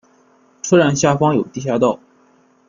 车站下方有地下道。